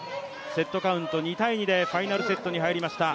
セットカウント２−２でファイナルセットに入りました。